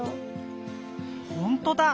ほんとだ！